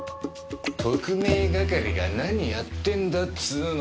特命係が何やってんだっつうの。